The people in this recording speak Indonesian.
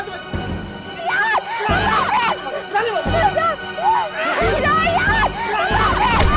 sebagai paraian kalau aku dapat beasiswa tilted